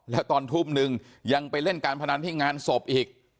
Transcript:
แล้วตอนทุ่มนึงยังไปเล่นการพนันที่งานศพอีก